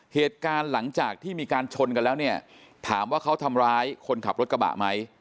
เหตุการณ์หลังจากที่มีการชนกันแล้วเนี่ยถามว่าเขาทำร้ายคนขับรถกระบะไหม